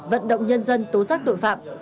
vận động nhân dân tố sát tội phạm